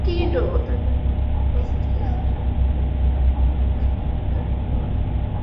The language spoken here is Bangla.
তাদের মধ্য হতে একজন তার কথা গোপন রাখল কিন্তু অন্যজন প্রকাশ করে দিল।